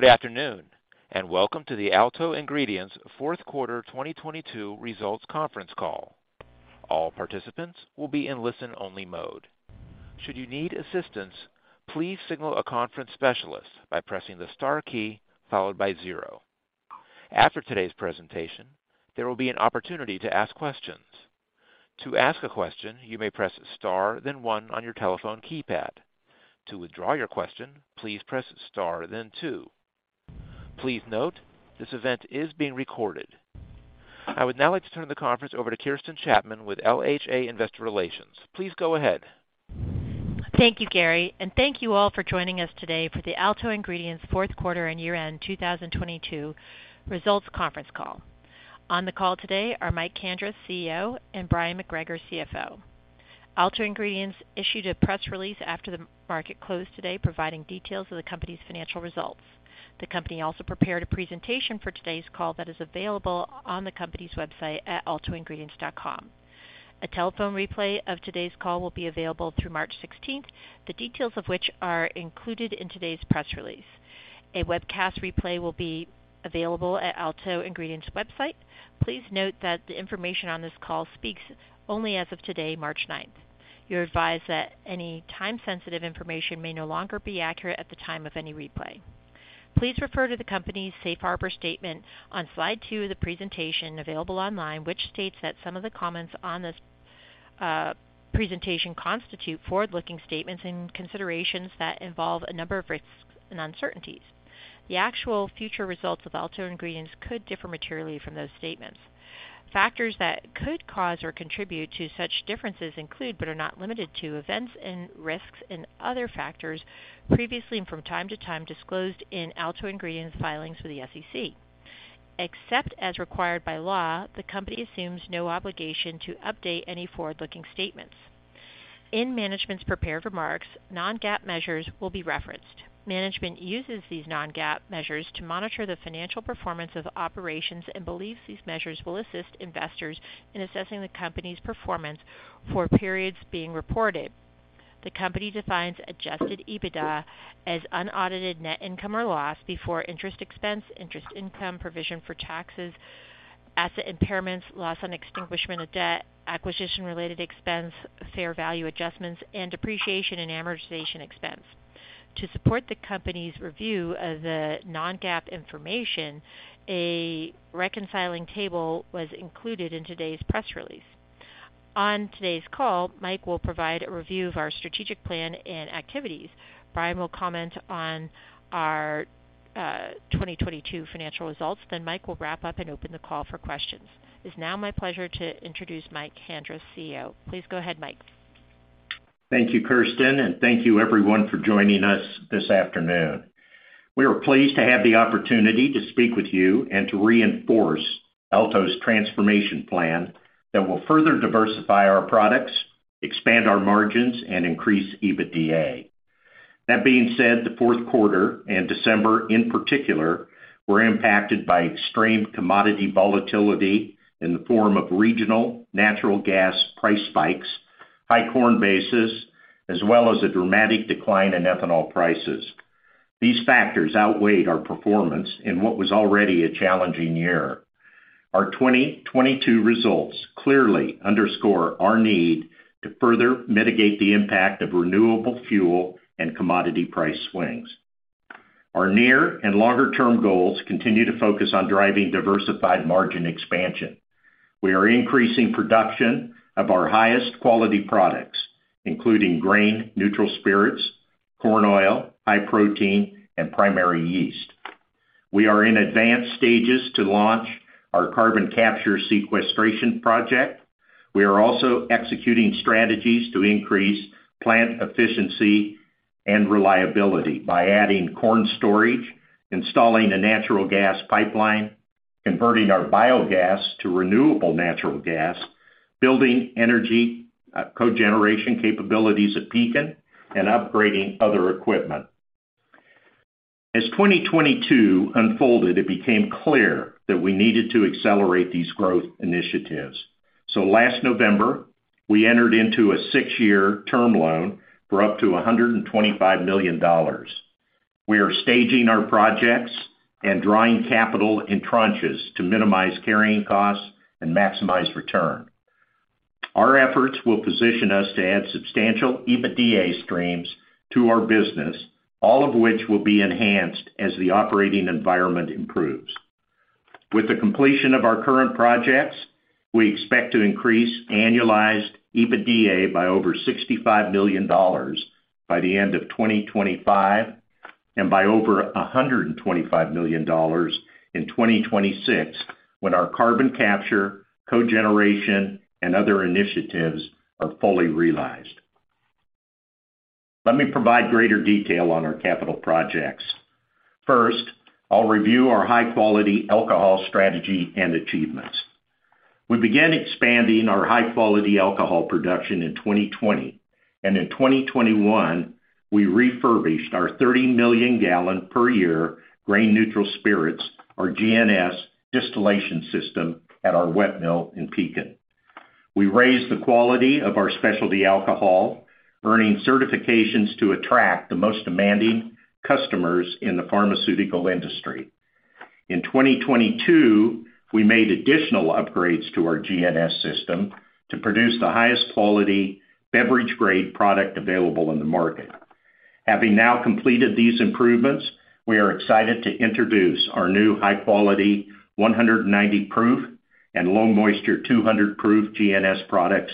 Good afternoon, and welcome to the Alto Ingredients Fourth Quarter 2022 Results Conference Call. All participants will be in listen-only mode. Should you need assistance, please signal a conference specialist by pressing the star key followed by zero. After today's presentation, there will be an opportunity to ask questions. To ask a question, you may press star then one on your telephone keypad. To withdraw your question, please press star then two. Please note, this event is being recorded. I would now like to turn the conference over to Kirsten Chapman with LHA Investor Relations. Please go ahead. Thank you, Gary, and thank you all for joining us today for the Alto Ingredients fourth quarter and year-end 2022 results conference call. On the call today are Mike Kandris, CEO, and Bryon McGregor, CFO. Alto Ingredients issued a press release after the market closed today providing details of the company's financial results. The company also prepared a presentation for today's call that is available on the company's website at altoingredients.com. A telephone replay of today's call will be available through March 16th, the details of which are included in today's press release. A webcast replay will be available at Alto Ingredients website. Please note that the information on this call speaks only as of today, March 9th. You're advised that any time-sensitive information may no longer be accurate at the time of any replay. Please refer to the company's Safe Harbor statement on slide two of the presentation available online, which states that some of the comments on this presentation constitute forward-looking statements and considerations that involve a number of risks and uncertainties. The actual future results of Alto Ingredients could differ materially from those statements. Factors that could cause or contribute to such differences include, but are not limited to, events and risks and other factors previously and from time to time disclosed in Alto Ingredients filings with the SEC. Except as required by law, the company assumes no obligation to update any forward-looking statements. In management's prepared remarks, non-GAAP measures will be referenced. Management uses these non-GAAP measures to monitor the financial performance of operations and believes these measures will assist investors in assessing the company's performance for periods being reported. The company defines adjusted EBITDA as unaudited net income or loss before interest expense, interest income, provision for taxes, asset impairments, loss on extinguishment of debt, acquisition-related expense, fair value adjustments, and depreciation and amortization expense. To support the company's review of the non-GAAP information, a reconciling table was included in today's press release. On today's call, Mike will provide a review of our strategic plan and activities. Bryon will comment on our 2022 financial results. Mike will wrap up and open the call for questions. It's now my pleasure to introduce Mike Kandris, CEO. Please go ahead, Mike. Thank you, Kirsten. Thank you everyone for joining us this afternoon. We are pleased to have the opportunity to speak with you and to reinforce Alto's transformation plan that will further diversify our products, expand our margins, and increase EBITDA. That being said, the fourth quarter and December in particular were impacted by extreme commodity volatility in the form of regional natural gas price spikes, high corn basis, as well as a dramatic decline in ethanol prices. These factors outweighed our performance in what was already a challenging year. Our 2022 results clearly underscore our need to further mitigate the impact of renewable fuel and commodity price swings. Our near and longer-term goals continue to focus on driving diversified margin expansion. We are increasing production of our highest quality products, including Grain Neutral Spirits, corn oil, high protein, and primary yeast. We are in advanced stages to launch our carbon capture sequestration project. We are also executing strategies to increase plant efficiency and reliability by adding corn storage, installing a natural gas pipeline, converting our biogas to renewable natural gas, building energy cogeneration capabilities at Pekin, and upgrading other equipment. As 2022 unfolded, it became clear that we needed to accelerate these growth initiatives. Last November, we entered into a six-year term loan for up to $125 million. We are staging our projects and drawing capital in tranches to minimize carrying costs and maximize return. Our efforts will position us to add substantial EBITDA streams to our business, all of which will be enhanced as the operating environment improves. With the completion of our current projects, we expect to increase annualized EBITDA by over $65 million by the end of 2025 and by over $125 million in 2026 when our carbon capture, cogeneration, and other initiatives are fully realized. Let me provide greater detail on our capital projects. First, I'll review our high-quality alcohol strategy and achievements. We began expanding our high-quality alcohol production in 2020. In 2021, we refurbished our 30 million gal per year Grain Neutral Spirits or GNS distillation system at our wet mill in Pekin. We raised the quality of our specialty alcohol, earning certifications to attract the most demanding customers in the pharmaceutical industry. In 2022, we made additional upgrades to our GNS system to produce the highest quality beverage-grade product available in the market. Having now completed these improvements, we are excited to introduce our new high-quality 190 proof and low moisture 200 proof GNS products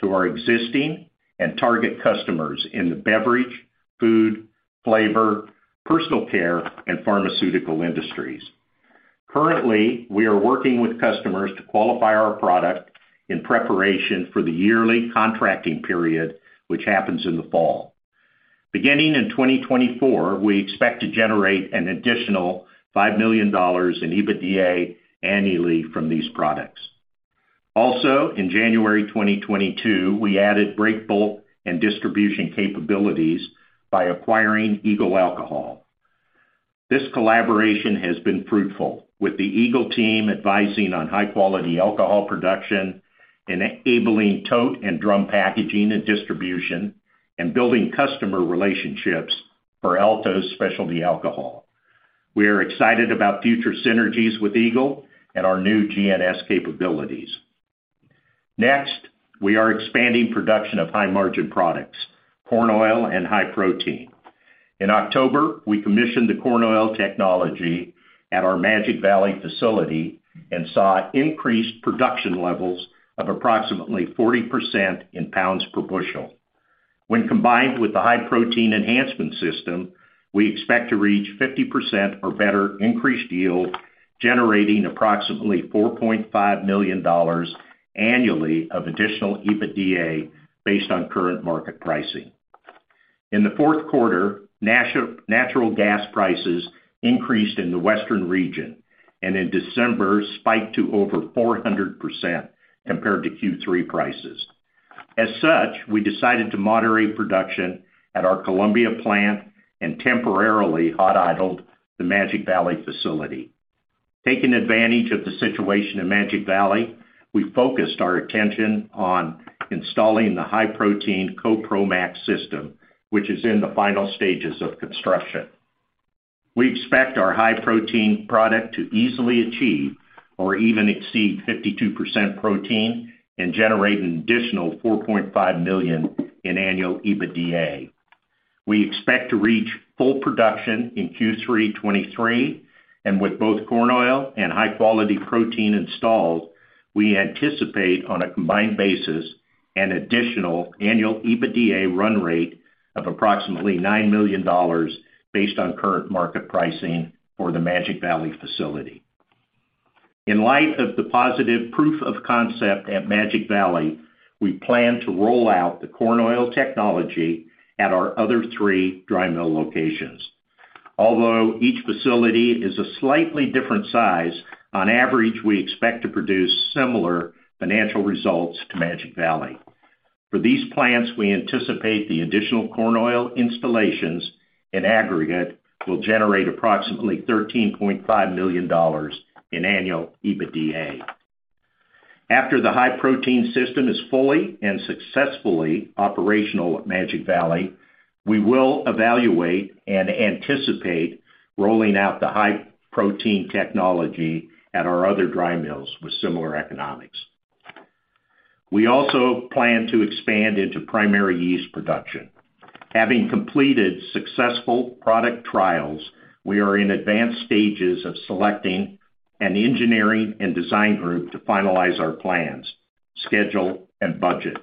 to our existing and target customers in the beverage, food, flavor, personal care, and pharmaceutical industries. Currently, we are working with customers to qualify our product in preparation for the yearly contracting period, which happens in the fall. Beginning in 2024, we expect to generate an additional $5 million in EBITDA annually from these products. In January 2022, we added break bulk and distribution capabilities by acquiring Eagle Alcohol. This collaboration has been fruitful, with the Eagle team advising on high-quality alcohol production, enabling tote and drum packaging and distribution, and building customer relationships for Alto's specialty alcohol. We are excited about future synergies with Eagle and our new GNS capabilities. We are expanding production of high-margin products, corn oil and high protein. In October, we commissioned the corn oil technology at our Magic Valley facility and saw increased production levels of approximately 40% in pounds per bushel. When combined with the high-protein enhancement system, we expect to reach 50% or better increased yield, generating approximately $4.5 million annually of additional EBITDA based on current market pricing. In the fourth quarter, natural gas prices increased in the Western region, and in December spiked to over 400% compared to Q3 prices. We decided to moderate production at our Columbia plant and temporarily hot-idled the Magic Valley facility. Taking advantage of the situation in Magic Valley, we focused our attention on installing the high-protein CoPromax system, which is in the final stages of construction. We expect our high-protein product to easily achieve or even exceed 52% protein and generate an additional $4.5 million in annual EBITDA. We expect to reach full production in Q3 2023, and with both corn oil and high-quality protein installed, we anticipate on a combined basis an additional annual EBITDA run rate of approximately $9 million based on current market pricing for the Magic Valley facility. In light of the positive proof of concept at Magic Valley, we plan to roll out the corn oil technology at our other three dry mill locations. Although each facility is a slightly different size, on average, we expect to produce similar financial results to Magic Valley. For these plants, we anticipate the additional corn oil installations in aggregate will generate approximately $13.5 million in annual EBITDA. After the high-protein system is fully and successfully operational at Magic Valley, we will evaluate and anticipate rolling out the high-protein technology at our other dry mills with similar economics. We also plan to expand into primary yeast production. Having completed successful product trials, we are in advanced stages of selecting an engineering and design group to finalize our plans, schedule, and budget.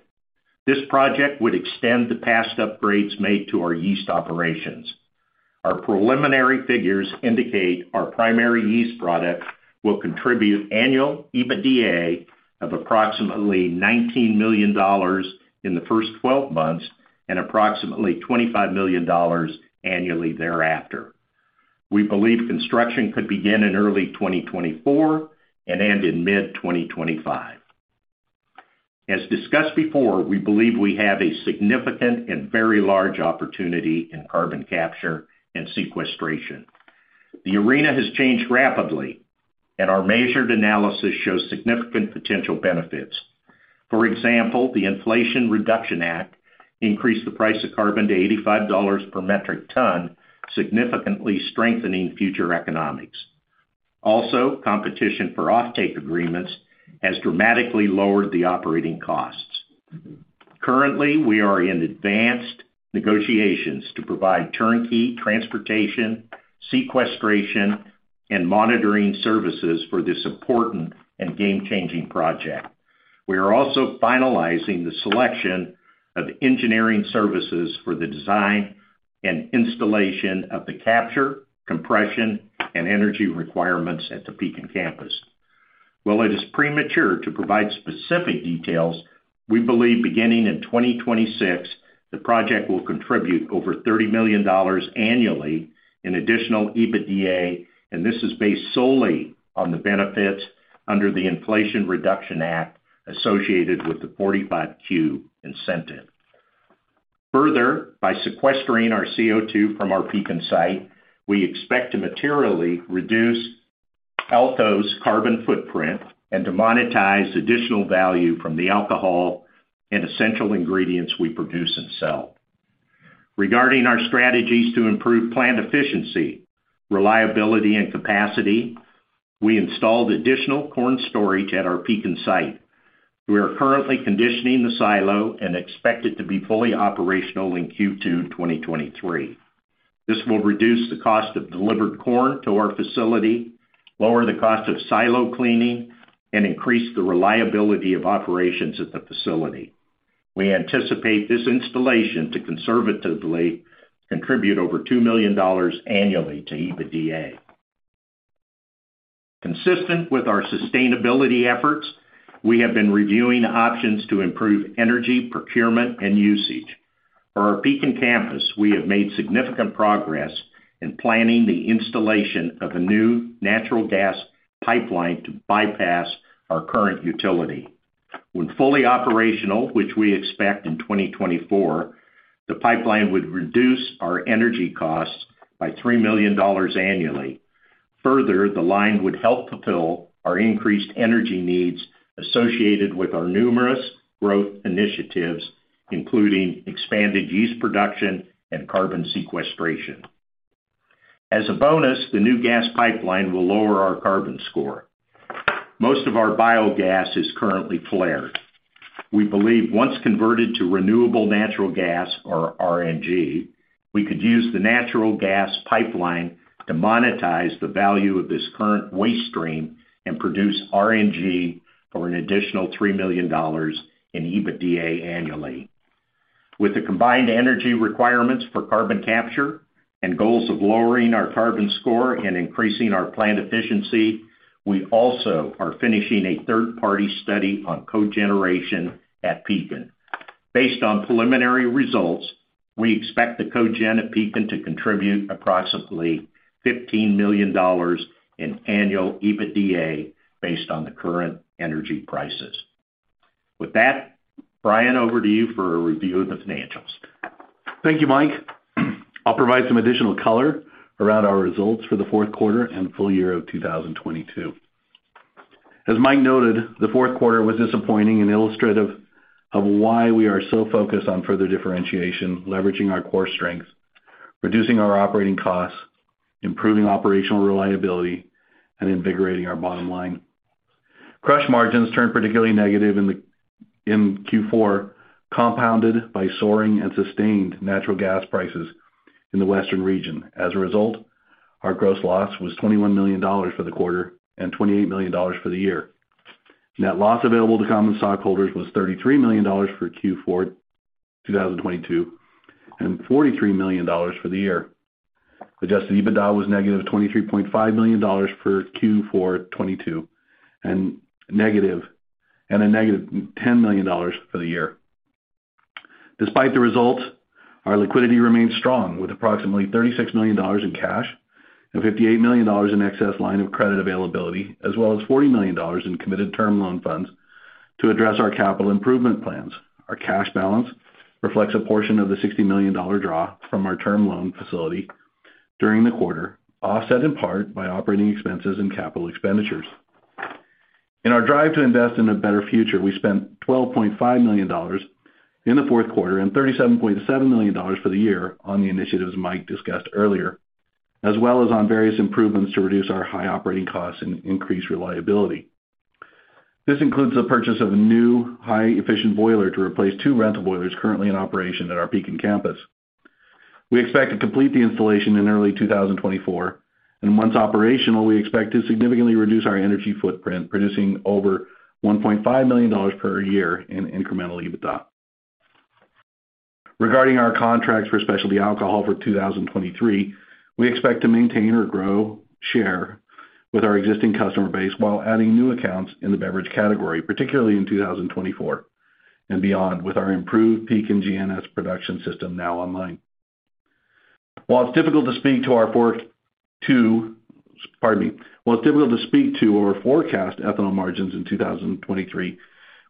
This project would extend the past upgrades made to our yeast operations. Our preliminary figures indicate our primary yeast product will contribute annual EBITDA of approximately $19 million in the first 12 months and approximately $25 million annually thereafter. We believe construction could begin in early 2024 and end in mid-2025. As discussed before, we believe we have a significant and very large opportunity in carbon capture and sequestration. The arena has changed rapidly, and our measured analysis shows significant potential benefits. For example, the Inflation Reduction Act increased the price of carbon to $85 per metric ton, significantly strengthening future economics. Competition for offtake agreements has dramatically lowered the operating costs. Currently, we are in advanced negotiations to provide turnkey transportation, sequestration, and monitoring services for this important and game-changing project. We are also finalizing the selection of engineering services for the design and installation of the capture, compression, and energy requirements at the Pekin campus. While it is premature to provide specific details, we believe beginning in 2026, the project will contribute over $30 million annually in additional EBITDA, and this is based solely on the benefits under the Inflation Reduction Act associated with the 45Q incentive. Further, by sequestering our CO2 from our Pekin site, we expect to materially reduce Alto's carbon footprint and to monetize additional value from the alcohol and essential ingredients we produce and sell. Regarding our strategies to improve plant efficiency, reliability, and capacity, we installed additional corn storage at our Pekin site. We are currently conditioning the silo and expect it to be fully operational in Q2 2023. This will reduce the cost of delivered corn to our facility, lower the cost of silo cleaning, and increase the reliability of operations at the facility. We anticipate this installation to conservatively contribute over $2 million annually to EBITDA. Consistent with our sustainability efforts, we have been reviewing options to improve energy procurement and usage. For our Pekin campus, we have made significant progress in planning the installation of a new natural gas pipeline to bypass our current utility. When fully operational, which we expect in 2024, the pipeline would reduce our energy costs by $3 million annually. The line would help fulfill our increased energy needs associated with our numerous growth initiatives, including expanded yeast production and carbon sequestration. The new gas pipeline will lower our carbon score. Most of our biogas is currently flared. We believe once converted to renewable natural gas or RNG, we could use the natural gas pipeline to monetize the value of this current waste stream and produce RNG for an additional $3 million in EBITDA annually. With the combined energy requirements for carbon capture and goals of lowering our carbon score and increasing our plant efficiency, we also are finishing a third-party study on cogeneration at Pekin. Based on preliminary results, we expect the cogen at Pekin to contribute approximately $15 million in annual EBITDA based on the current energy prices. With that, Bryon, over to you for a review of the financials. Thank you, Mike. I'll provide some additional color around our results for the fourth quarter and full year of 2022. As Mike noted, the fourth quarter was disappointing and illustrative of why we are so focused on further differentiation, leveraging our core strengths, reducing our operating costs, improving operational reliability, and invigorating our bottom line. crush margins turned particularly negative in Q4, compounded by soaring and sustained natural gas prices in the Western region. As a result, our gross loss was $21 million for the quarter and $28 million for the year. Net loss available to common stockholders was $33 million for Q4 2022, and $43 million for the year. Adjusted EBITDA was -$23.5 million for Q4 2022 and a -$10 million for the year. Despite the results, our liquidity remains strong, with approximately $36 million in cash and $58 million in excess line of credit availability, as well as $40 million in committed term loan funds to address our capital improvement plans. Our cash balance reflects a portion of the $60 million draw from our term loan facility during the quarter, offset in part by operating expenses and capital expenditures. In our drive to invest in a better future, we spent $12.5 million in the fourth quarter and $37.7 million for the year on the initiatives Mike discussed earlier, as well as on various improvements to reduce our high operating costs and increase reliability. This includes the purchase of a new, high efficient boiler to replace two rental boilers currently in operation at our Pekin campus. We expect to complete the installation in early 2024. Once operational, we expect to significantly reduce our energy footprint, producing over $1.5 million per year in incremental EBITDA. Regarding our contracts for specialty alcohol for 2023, we expect to maintain or grow share with our existing customer base while adding new accounts in the beverage category, particularly in 2024 and beyond, with our improved Pekin GNS production system now online. Pardon me. While it's difficult to speak to our forecast ethanol margins in 2023,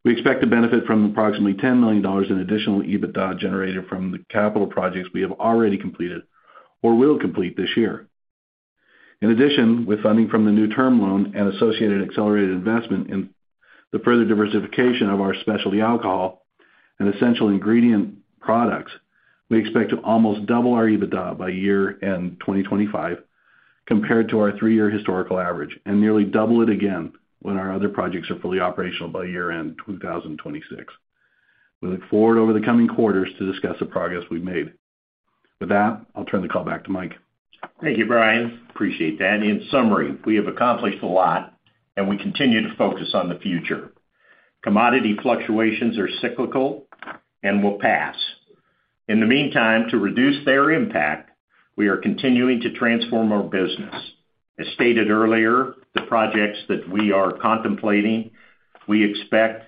we expect to benefit from approximately $10 million in additional EBITDA generated from the capital projects we have already completed or will complete this year. In addition, with funding from the new term loan and associated accelerated investment in the further diversification of our specialty alcohol and essential ingredient products, we expect to almost double our EBITDA by year-end 2025 compared to our three-year historical average, and nearly double it again when our other projects are fully operational by year-end 2026. We look forward over the coming quarters to discuss the progress we've made. With that, I'll turn the call back to Mike. Thank you, Bryon. Appreciate that. In summary, we have accomplished a lot and we continue to focus on the future. Commodity fluctuations are cyclical and will pass. In the meantime, to reduce their impact, we are continuing to transform our business. As stated earlier, the projects that we are contemplating, we expect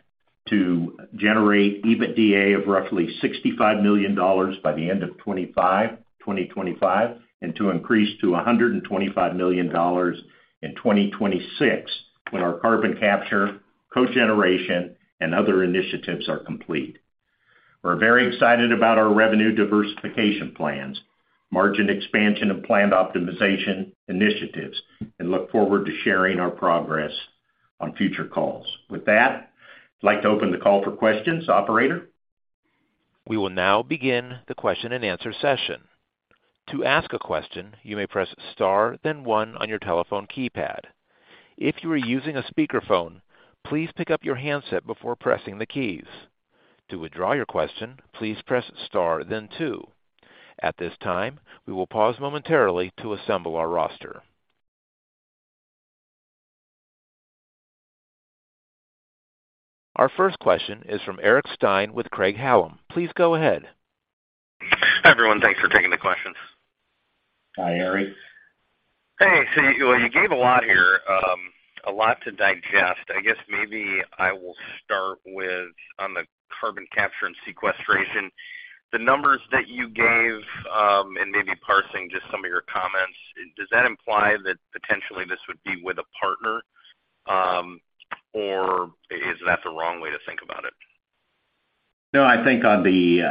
to generate EBITDA of roughly $65 million by the end of 2025, and to increase to $125 million in 2026 when our carbon capture, cogeneration, and other initiatives are complete. We're very excited about our revenue diversification plans, margin expansion, and planned optimization initiatives, look forward to sharing our progress on future calls. With that, I'd like to open the call for questions. Operator? We will now begin the question-and-answer session. To ask a question, you may press star then one on your telephone keypad. If you are using a speakerphone, please pick up your handset before pressing the keys. To withdraw your question, please press star then two. At this time, we will pause momentarily to assemble our roster. Our first question is from Eric Stine with Craig-Hallum. Please go ahead. Hi, everyone. Thanks for taking the questions. Hi, Eric. Hey. You, well, you gave a lot here, a lot to digest. I guess maybe I will start with on the carbon capture and sequestration. The numbers that you gave, and maybe parsing just some of your comments, does that imply that potentially this would be with a partner, or is that the wrong way to think about it? I think on the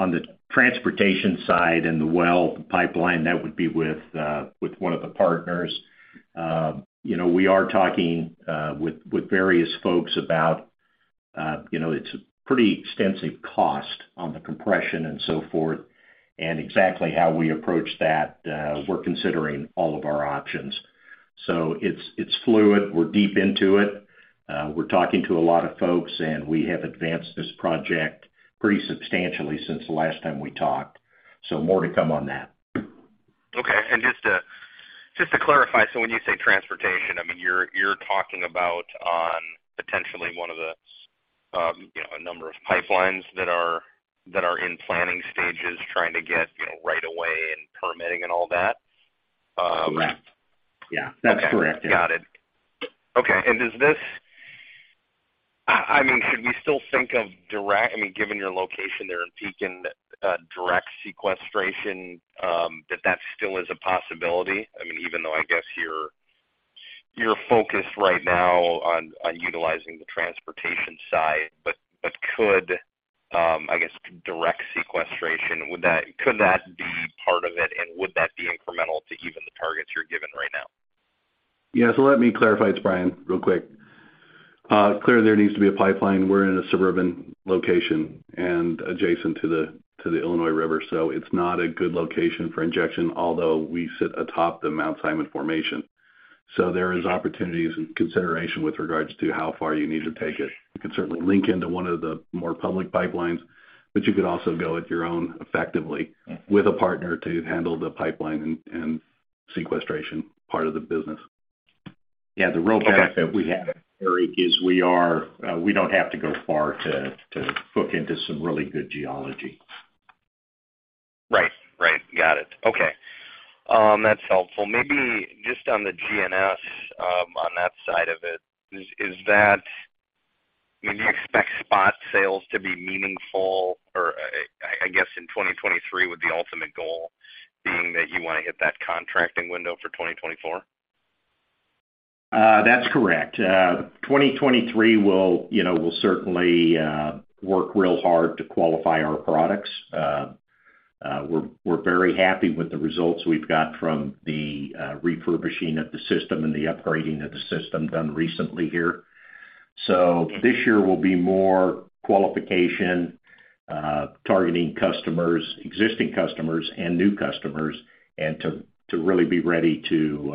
on the transportation side and the well pipeline, that would be with with one of the partners. You know, we are talking with various folks about, you know, it's pretty extensive cost on the compression and so forth and exactly how we approach that, we're considering all of our options. It's, it's fluid. We're deep into it. We're talking to a lot of folks, and we have advanced this project pretty substantially since the last time we talked. More to come on that. Okay. Just to clarify, so when you say transportation, I mean, you're talking about on potentially one of the, you know, a number of pipelines that are in planning stages trying to get, you know, right away and permitting and all that... Correct. Yeah. That's correct. Yeah. Got it. Okay. I mean, should we still think of direct, I mean, given your location there in Pekin, direct sequestration, that still is a possibility? I mean, even though I guess you're focused right now on utilizing the transportation side, but could, I guess direct sequestration, could that be part of it? Would that be incremental to even the targets you're given right now? Yeah. Let me clarify. It's Bryon, real quick. Clearly, there needs to be a pipeline. We're in a suburban location and adjacent to the Illinois River, so it's not a good location for injection, although we sit atop the Mount Simon formation. There is opportunities and consideration with regards to how far you need to take it. You can certainly link into one of the more public pipelines, but you could also go at your own effectively with a partner to handle the pipeline and sequestration part of the business. Yeah. The real benefit we have, Eric, is we don't have to go far to book into some really good geology. Right. Right. Got it. Okay. That's helpful. Maybe just on the GNS, on that side of it, is that I mean, do you expect spot sales to be meaningful or, I guess in 2023 with the ultimate goal being that you wanna hit that contracting window for 2024? That's correct. 2023, we'll, you know, we'll certainly work real hard to qualify our products. We're very happy with the results we've got from the refurbishing of the system and the upgrading of the system done recently here. This year will be more qualification, targeting customers, existing customers and new customers, and to really be ready to,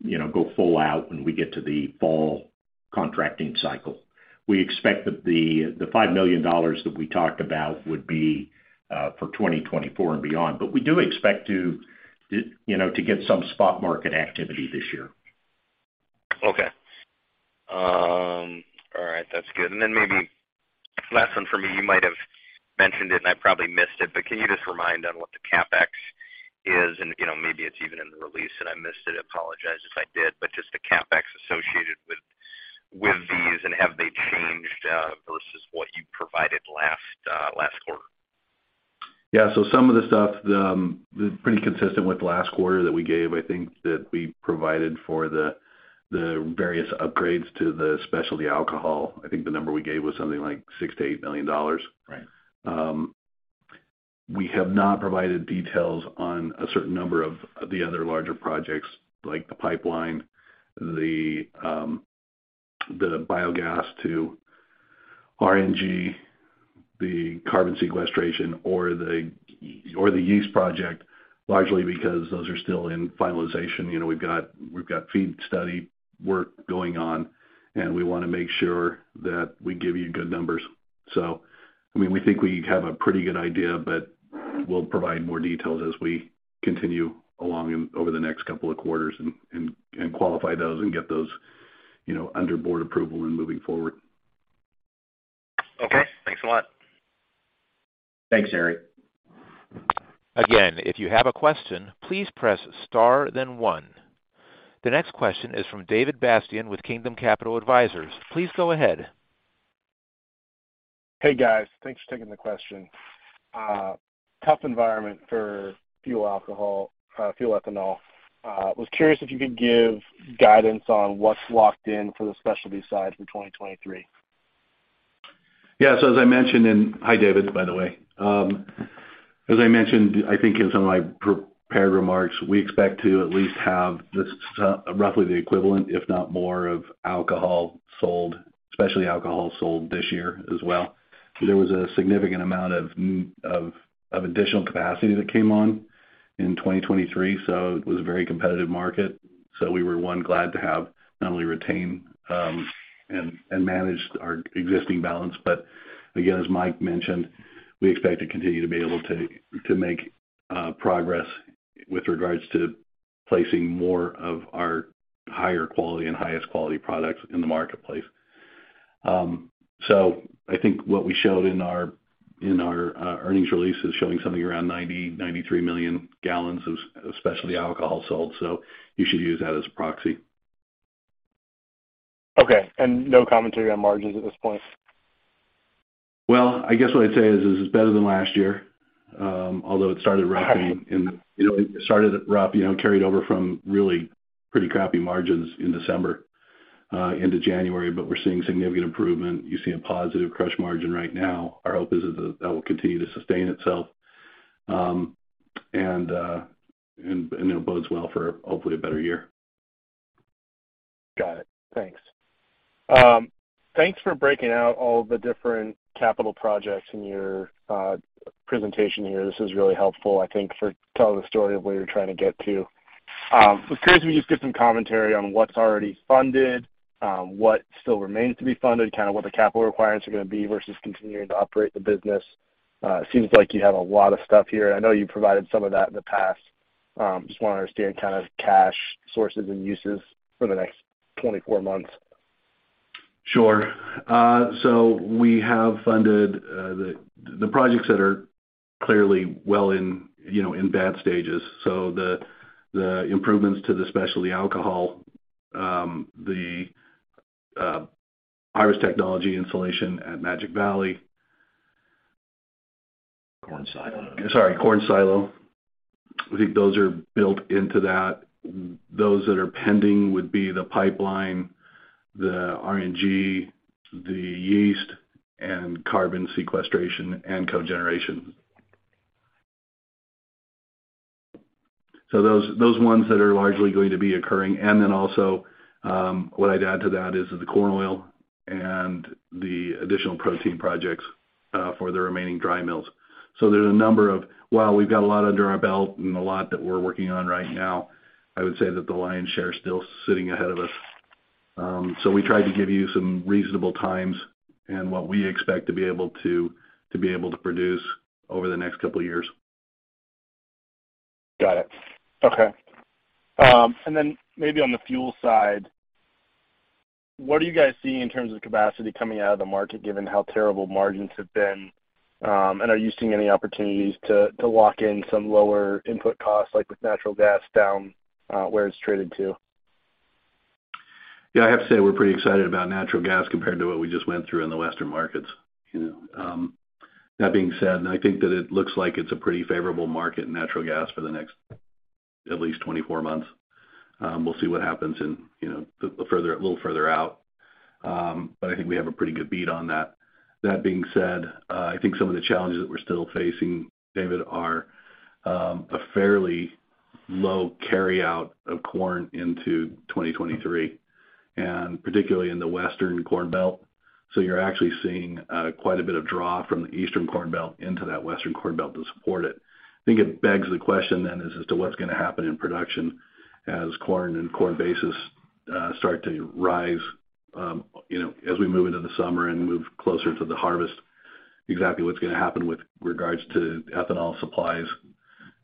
you know, go full out when we get to the fall contracting cycle. We expect that the $5 million that we talked about would be for 2024 and beyond. We do expect to, you know, to get some spot market activity this year. Okay. All right. That's good. Maybe last one for me, you might have mentioned it and I probably missed it, but can you just remind on what the CapEx is? You know, maybe it's even in the release and I missed it. I apologize if I did, but just the CapEx associated with these and have they changed versus what you provided last last quarter? Yeah. Some of the stuff, pretty consistent with last quarter that we gave, I think that we provided for the various upgrades to the specialty alcohol. I think the number we gave was something like $6 million-$8 million. Right. We have not provided details on a certain number of the other larger projects like the pipeline, the biogas to RNG, the carbon sequestration or the yeast project, largely because those are still in finalization. You know, we've got feed study work going on, and we wanna make sure that we give you good numbers. I mean, we think we have a pretty good idea, but we'll provide more details as we continue along in over the next couple of quarters and qualify those and get those, you know, under board approval and moving forward. Okay. Thanks a lot. Thanks, Eric. Again, if you have a question, please press star then one. The next question is from David Bastian with Kingdom Capital Advisors. Please go ahead. Hey, guys. Thanks for taking the question. Tough environment for fuel alcohol, fuel ethanol. Was curious if you could give guidance on what's locked in for the specialty side for 2023. Yes. As I mentioned hi, David, by the way. As I mentioned, I think in some of my prepared remarks, we expect to at least have this, roughly the equivalent, if not more, of alcohol sold, especially alcohol sold this year as well. There was a significant amount of additional capacity that came on in 2023, so it was a very competitive market. We were, one, glad to have not only retain and manage our existing balance. Again, as Mike mentioned, we expect to continue to be able to make progress with regards to placing more of our higher quality and highest quality products in the marketplace. I think what we showed in our earnings release is showing something around 90-93 million gal of specialty alcohol sold. You should use that as a proxy. Okay. No commentary on margins at this point? Well, I guess what I'd say is it's better than last year, although it started rough, you know, carried over from really pretty crappy margins in December, into January. We're seeing significant improvement. You see a positive crush margin right now. Our hope is that that will continue to sustain itself. It bodes well for hopefully a better year. Got it. Thanks. Thanks for breaking out all the different capital projects in your presentation here. This is really helpful, I think, for telling the story of where you're trying to get to. Was curious if you just give some commentary on what's already funded, what still remains to be funded, kind of what the capital requirements are gonna be versus continuing to operate the business. It seems like you have a lot of stuff here. I know you provided some of that in the past. Just wanna understand kind of cash sources and uses for the next 24 months. Sure. We have funded the projects that are clearly well in, you know, in bad stages. The improvements to the specialty alcohol, IRIS Technology installation at Magic Valley. Corn silo. Sorry, corn silo. I think those are built into that. Those that are pending would be the pipeline, the RNG, the yeast, and carbon sequestration and cogeneration. Those ones that are largely going to be occurring. Also, what I'd add to that is the corn oil and the additional protein projects for the remaining dry mills. There's a number of... While we've got a lot under our belt and a lot that we're working on right now, I would say that the lion's share is still sitting ahead of us. We tried to give you some reasonable times and what we expect to be able to produce over the next couple of years. Got it. Okay. Maybe on the fuel side, what do you guys see in terms of capacity coming out of the market, given how terrible margins have been? Are you seeing any opportunities to lock in some lower input costs, like with natural gas down, where it's traded to? Yeah, I have to say we're pretty excited about natural gas compared to what we just went through in the Western markets, you know? That being said, I think that it looks like it's a pretty favorable market in natural gas for the next at least 24 months. We'll see what happens in, you know, further, a little further out. I think we have a pretty good beat on that. That being said, I think some of the challenges that we're still facing, David, are a fairly low carryout of corn into 2023, and particularly in the Western Corn Belt. You're actually seeing quite a bit of draw from the Eastern Corn Belt into that Western Corn Belt to support it. I think it begs the question then as to what's gonna happen in production as corn and corn basis start to rise, you know, as we move into the summer and move closer to the harvest. Exactly what's gonna happen with regards to ethanol supplies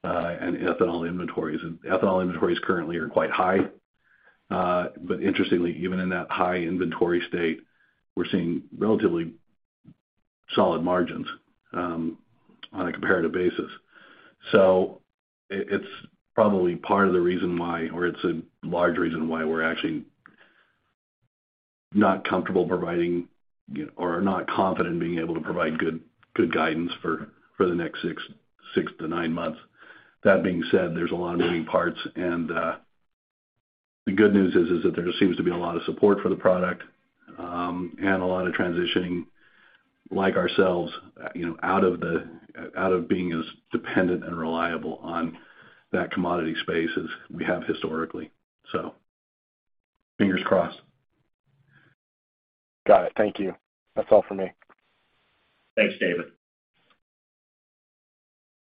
and ethanol inventories. Ethanol inventories currently are quite high. Interestingly, even in that high inventory state, we're seeing relatively solid margins on a comparative basis. It's probably part of the reason why or it's a large reason why we're actually not comfortable providing or not confident being able to provide good guidance for the next six to nine months. That being said, there's a lot of moving parts, and the good news is that there seems to be a lot of support for the product, and a lot of transitioning like ourselves, you know, out of being as dependent and reliable on that commodity space as we have historically. Fingers crossed. Got it. Thank you. That's all for me. Thanks, David.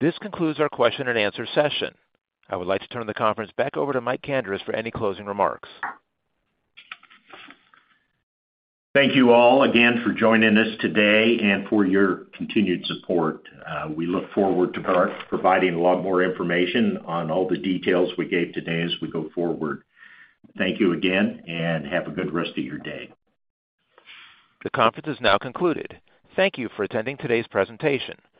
This concludes our question and answer session. I would like to turn the conference back over to Mike Kandris for any closing remarks. Thank you all again for joining us today and for your continued support. We look forward to providing a lot more information on all the details we gave today as we go forward. Thank you again. Have a good rest of your day. The conference is now concluded. Thank you for attending today's presentation.